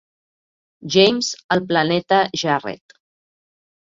James al planeta Jarret.